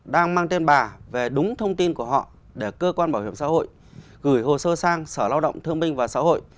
đang mang tên bà về đúng thông tin của họ để cơ quan bảo hiểm xã hội gửi hồ sơ sang sở lao động thương minh và xã hội